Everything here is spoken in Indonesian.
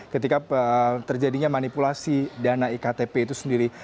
ketika terjadinya manipulasi dana iktp itu sendiri